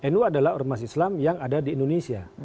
nu adalah ormas islam yang ada di indonesia